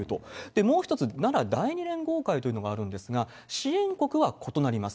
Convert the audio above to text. もう１つ、奈良第２連合会というのがあるんですが、支援国は異なります。